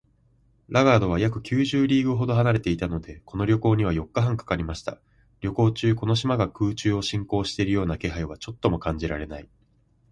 ラガードは約九十リーグほど離れていたので、この旅行には四日半かかりました。旅行中、この島が空中を進行しているような気配はちょっとも感じられない